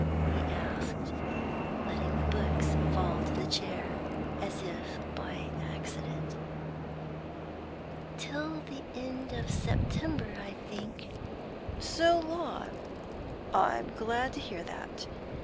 he asked, letting the books fall to the chair, as if by accident. 'Till the end of September, I think.' 'So long? I'm glad to hear that.